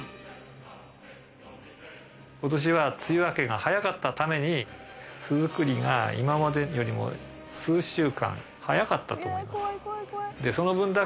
今年は梅雨明けが早かったために巣作りが今までよりも数週間早かったと思います。